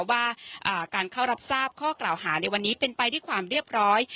ว่าการเข้ารับทราบข้อกล่าวหาในวันนี้เป็นไปด้วยความเรียบร้อย